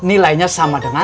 nilainya sama dengan